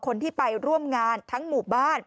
คนที่ไปร่วมงานทั้งหมู่บ้าน